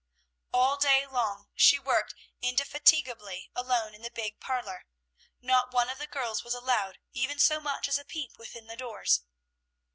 All day long she worked indefatigably alone in the big parlor. Not one of the girls was allowed even so much as a peep within the doors.